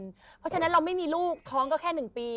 เพราะฉะนั้นเราไม่มีลูกท้องก็แค่๑ปี